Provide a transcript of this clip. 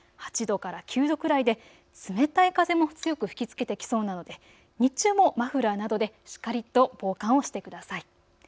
８度から９度くらいで冷たい風も強く吹きつけてきそうなので日中もマフラーなどでしっかりと防寒をしてください。